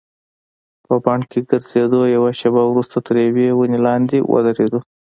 په بڼ کې ګرځېدو، یوه شیبه وروسته تر یوې ونې لاندې ودریدو.